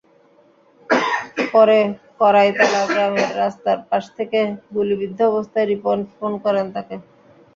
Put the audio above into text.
পরে কড়ইতলা গ্রামের রাস্তার পাশ থেকে গুলিবিদ্ধ অবস্থায় রিপন ফোন করেন তাঁকে।